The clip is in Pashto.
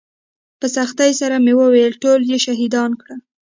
په سختۍ سره مې وويل ټول يې شهيدان کړل.